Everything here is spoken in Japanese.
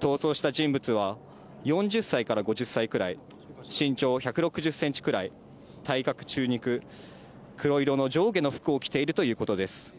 逃走した人物は、４０歳から５０歳くらい、身長１６０センチくらい、体格中肉、黒色の上下の服を着ているということです。